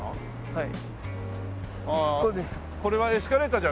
はい。